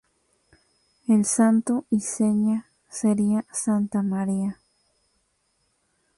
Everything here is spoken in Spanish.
El santo y seña sería "Santa María".